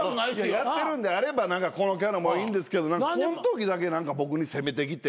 やってるんであればこのキャラもいいんですけどこんときだけ何か僕に攻めてきて。